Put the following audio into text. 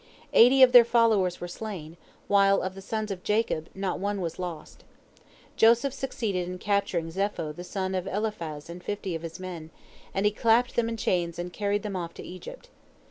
Eighty of their followers were slain, while of the sons of Jacob not one was lost. Joseph succeeded in capturing Zepho the son of Eliphaz and fifty of his men, and he clapped them in chains and carried them off to Egypt.